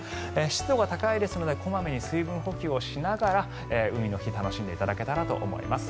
湿度が高いですので小まめに水分補給をしながら海の日、楽しんでいただけたらと思います。